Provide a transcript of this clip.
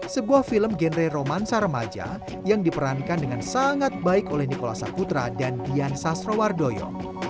sebuah film genre romansa remaja yang diperankan dengan sangat baik oleh nikola saputra dan dian sasrowardoyo